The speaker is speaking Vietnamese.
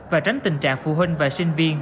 và tránh tình trạng phụ huynh và sinh viên